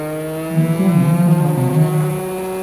你聽唔聽到我講咩？